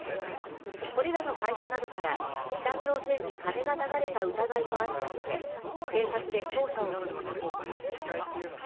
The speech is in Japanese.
これらの会社などから北朝鮮に金が流れた疑いもあるとみて警察で捜査を進めています。